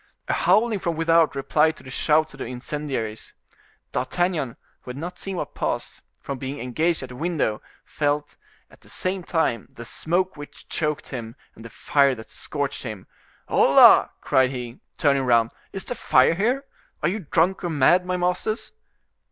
A howling from without replied to the shouts of the incendiaries. D'Artagnan, who had not seen what passed, from being engaged at the window, felt, at the same time, the smoke which choked him and the fire that scorched him. "Hola!" cried he, turning round, "is the fire here? Are you drunk or mad, my masters?"